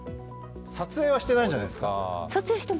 撮影はしてなかったんじゃないですか？